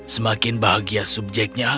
semakin bahagia sebetulnya